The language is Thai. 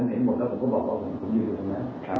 เห็นหมดแล้วผมก็บอกผมยืนอยู่ตรงนั้น